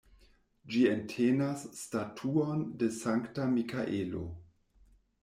Ĝi entenas statuon de Sankta Mikaelo.